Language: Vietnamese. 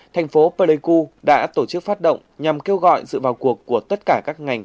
thành phố pleiku đã tổ chức phát động nhằm kêu gọi sự vào cuộc của tất cả các ngành